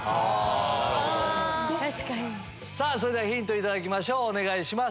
それではヒント頂きましょうお願いします。